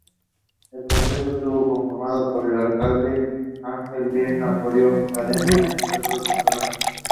Membership is by invitation or election only.